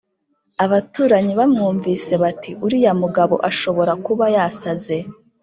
" abaturanyi bamwumvise bati "uriya mugabo ashobora kuba yasaze.